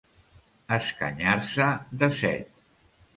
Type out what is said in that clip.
Escanyar-se de set.